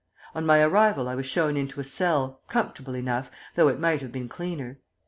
On my arrival I was shown into a cell, comfortable enough, though it might have been cleaner.